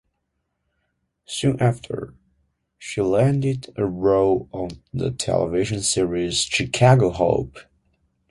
Soon after, she landed a role on the television series "Chicago Hope".